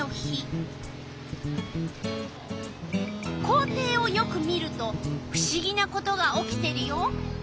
校庭をよく見るとふしぎなことが起きてるよ！